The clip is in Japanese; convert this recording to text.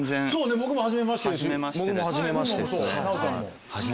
僕もはじめましてですね。